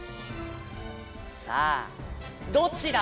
さあどっちだ！